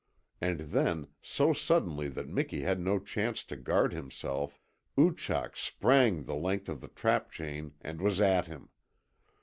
And then, so suddenly that Miki had no chance to guard himself, Oochak sprang the length of the trap chain and was at him.